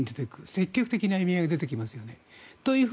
積極的な意味合いが出てきますよね。という